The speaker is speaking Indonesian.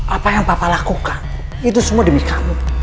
apa yang papa lakukan itu semua demi kamu